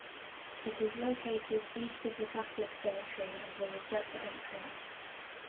It is located east of the Catholic cemetery and has a separate entrance.